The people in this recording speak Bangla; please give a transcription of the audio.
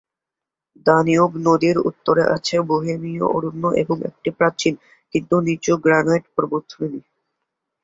দানিউব নদীর উত্তরে আছে বোহেমীয় অরণ্য এবং একটি প্রাচীন, কিন্তু নিচু, গ্রানাইট পর্বতশ্রেণী।